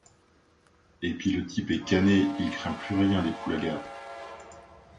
Et pis le type est canné, il craint plus rien des poulagas.